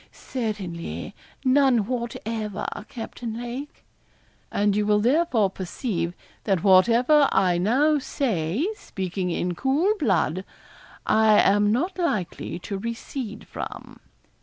'Certainly; none whatever, Captain Lake.' 'And you will therefore perceive that whatever I now say, speaking in cool blood, I am not likely to recede from.'